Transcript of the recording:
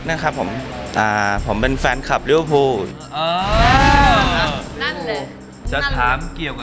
ไม่แต่ต้องรู้เรื่องคู่แข่งค่ะ